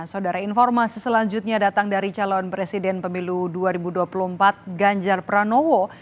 saudara informasi selanjutnya datang dari calon presiden pemilu dua ribu dua puluh empat ganjar pranowo